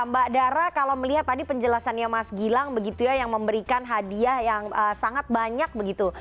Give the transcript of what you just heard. mbak dara kalau melihat tadi penjelasannya mas gilang begitu ya yang memberikan hadiah yang sangat banyak begitu